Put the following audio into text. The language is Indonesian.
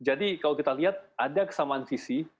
jadi kalau kita lihat ada kesamaan visi